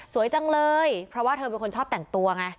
จังเลยเพราะว่าเธอเป็นคนชอบแต่งตัวไง